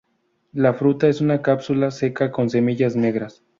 La fruta es una cápsula seca con semillas negras.